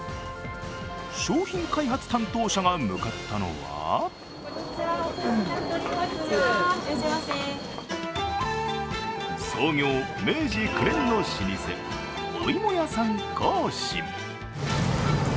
商品開発担当者が向かったのは創業明治９年の老舗おいもやさん興伸。